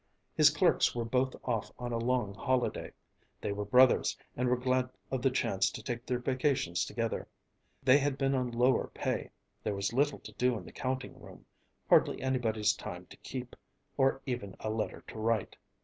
His clerks were both off on a long holiday; they were brothers and were glad of the chance to take their vacations together. They had been on lower pay; there was little to do in the counting room hardly anybody's time to keep or even a letter to write.